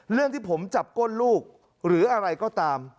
เรื่องที่ผมจับก้นลูกหรืออะไรก็ตาม